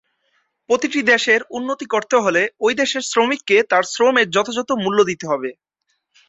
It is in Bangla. প্রতিটি দেশের উন্নতি করতে হলে ঐ দেশের শ্রমিককে তার শ্রমের যথাযথ মূল্য দিতে হবে।